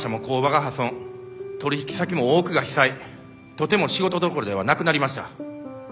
とても仕事どころではなくなりました。